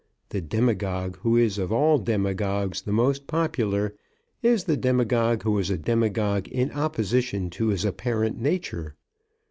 The demagogue who is of all demagogues the most popular, is the demagogue who is a demagogue in opposition to his apparent nature.